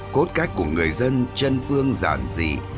cốt cách của người dân chân phương giản dị